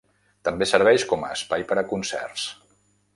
També serveix com a espai per a concerts.